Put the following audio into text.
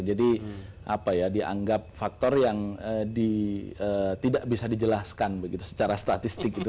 jadi apa ya dianggap faktor yang tidak bisa dijelaskan begitu secara statistik gitu